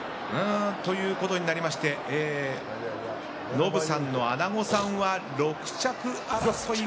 ノブさんのアナゴサンは６着。